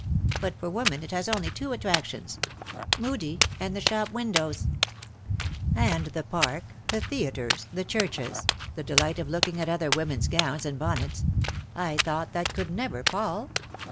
But for women it has only two attractions — MudiC; and the shop windows !"'^ And the park — the theatres — the churches — the delight of looking at other women^s gowns and bon nets. 1 thought that could never pall?'